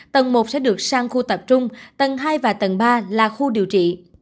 tầng một sẽ được sang khu tập trung tầng hai và tầng ba là khu điều trị